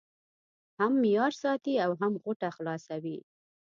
هم معیار ساتي او هم غوټه خلاصوي.